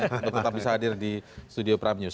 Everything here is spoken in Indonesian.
untuk tetap bisa hadir di studio prime news